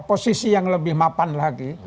posisi yang lebih mapan lagi